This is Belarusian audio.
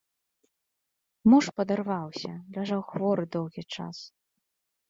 Муж падарваўся, ляжаў хворы доўгі час.